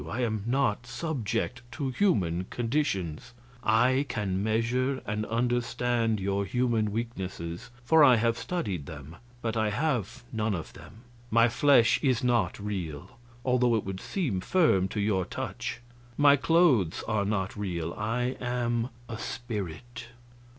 I am not subject to human conditions. I can measure and understand your human weaknesses, for I have studied them; but I have none of them. My flesh is not real, although it would seem firm to your touch; my clothes are not real; I am a spirit.